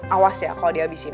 awas ya kalau di abisin